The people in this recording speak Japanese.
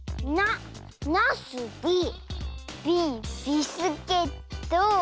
ナナスビビビスケット。